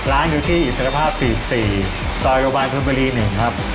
ร้านอยู่ที่อิสระภาพ๔๔ซอยโรบันเคิมเบอร์รี๑ครับ